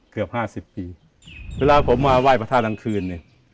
เกือบห้าสิบปีเวลาผมมาไหว้พระธาตุกลางคืนเนี่ย